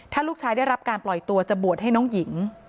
ถ้าลูกชายได้รับการปล่อยตัวจะบวชให้น้องหญิง